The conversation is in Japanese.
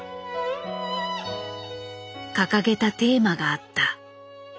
掲げたテーマがあった。